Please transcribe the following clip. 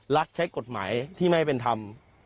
รัฐใช้กฎหมายที่ไม่ให้เป็นธรรม